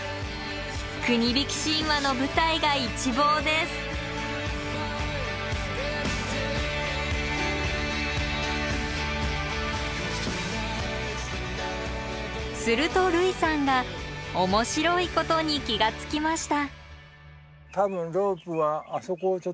国引き神話の舞台が一望ですすると類さんが面白いことに気が付きました